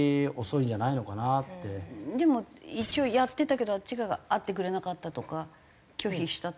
でも一応やってたけどあっち側が会ってくれなかったとか拒否したとか。